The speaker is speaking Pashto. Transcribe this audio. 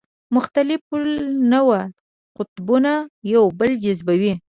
مختلف النوع قطبونه یو بل جذبوي.